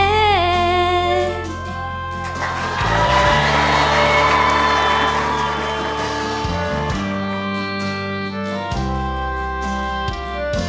ฆ่าช่างทาง